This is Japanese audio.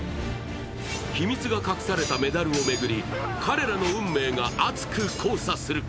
秘密が隠されたメダルをめぐり、彼らの運命が熱く交錯する。